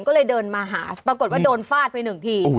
ก็เลยเดินมาหาปรากฏว่าโดนฟาดไปหนึ่งที